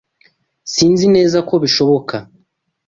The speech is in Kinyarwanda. Sinzi neza ko bishoboka.